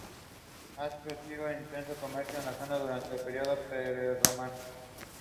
He is the current deputy leader of Indian National Congress in Bihar Legislative Assembly.